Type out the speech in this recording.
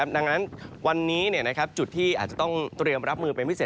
ดังนั้นวันนี้จุดที่อาจจะต้องเตรียมรับมือเป็นพิเศษ